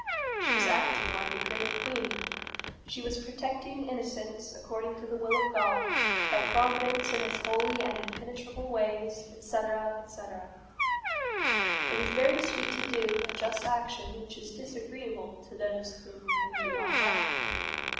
She was acting like a great queen; she was protecting innocence according to the will of God that Providence in its holy and impenetrable ways, etc., etc. It is very sweet to do a just action which is disagreeable to those whom we do not like.